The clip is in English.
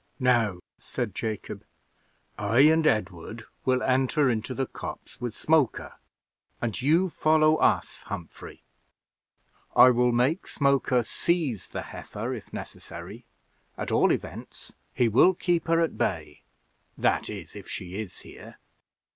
"Now," said Jacob, "I and Edward will enter into the copse with Smoker, and you follow us, Humphrey. I will make Smoker seize the heifer, if necessary; at all events he will keep her at bay that is, if she is here.